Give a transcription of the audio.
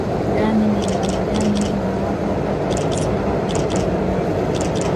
gani Ni imani gani inayowapa nguvu ya kusimama mbele ya wanyama